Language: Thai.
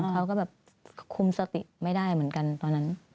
เขาก็แบบคุมสติไม่ได้เหมือนกันตอนนั้น